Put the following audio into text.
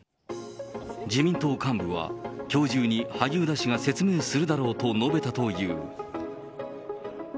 自民党幹部は、きょう中に萩生田氏が説明するだろうと述べたという。